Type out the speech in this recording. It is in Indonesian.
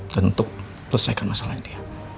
dan untuk selesaikan masalahnya dia